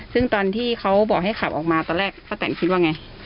ซึ่งตอนที่เขาบอกให้ขับออกมาตอนแรกป้าแตนคิดว่าไง